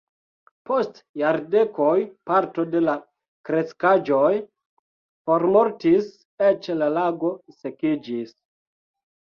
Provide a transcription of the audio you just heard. Post jardekoj parto de la kreskaĵoj formortis, eĉ la lago sekiĝis.